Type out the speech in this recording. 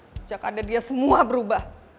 sejak ada dia semua berubah